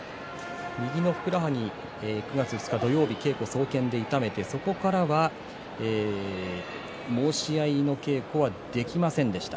右のふくらはぎ、９月２日の稽古総見で痛めてそこからは申し合いの稽古はできませんでした。